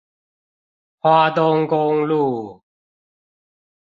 花東公路